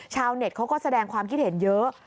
เน็ตเขาก็แสดงความคิดเห็นเยอะ